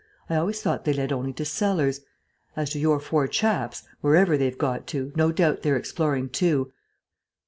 I always thought they led only to cellars.... As to your four chaps, wherever they've got to, no doubt they're exploring too.